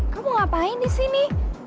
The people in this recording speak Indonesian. kamu ngapain disini